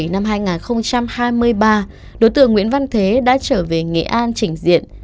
ngày bảy tháng bảy năm hai nghìn hai mươi ba đối tượng nguyễn văn thế đã trở về nghệ an trình diện